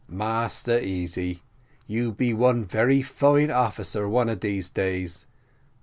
"Massa Easy, you be one very fine officer one of dese days.